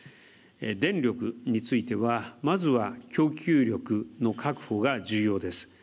電力についてはまずは供給力の確保が重要です。